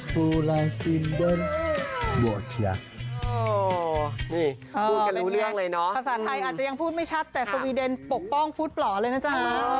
ภาษาไทยอาจจะยังพูดไม่ชัดแต่สวีเดนปกป้องพุทธปล่อเลยนะจ๊ะ